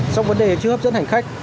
sau vấn đề chứa hấp dẫn hành khách